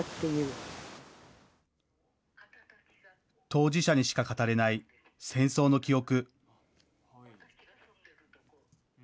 当事者にしか語れない戦争の記憶。